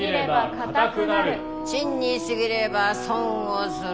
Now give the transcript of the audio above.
信に過ぎれば損をする！